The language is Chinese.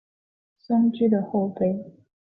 松驹的后辈。